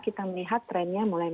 kita melihat trennya mulai